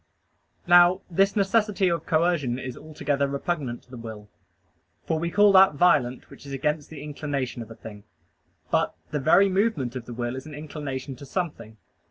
Now this necessity of coercion is altogether repugnant to the will. For we call that violent which is against the inclination of a thing. But the very movement of the will is an inclination to something.